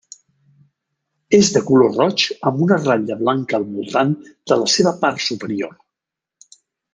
És de color roig amb una ratlla blanca al voltant de la seva part superior.